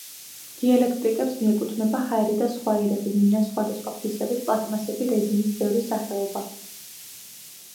დიელექტრიკებს მიეკუთვნება ჰაერი და სხვა აირები, მინა, სხვადასხვა ფისები, პლასტმასები, რეზინის ბევრი სახეობა.